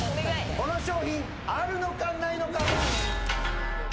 この商品あるのかないのか？